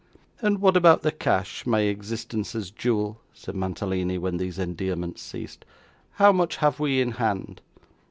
'And what about the cash, my existence's jewel?' said Mantalini, when these endearments ceased. 'How much have we in hand?